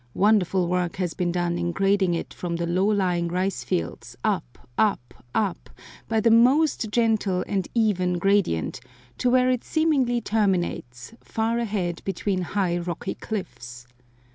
Wonderful work has been done in grading it from the low lying rice fields, up, up, up, by the most gentle and even gradient, to where it seemingly terminates, far ahead between high rocky cliffs.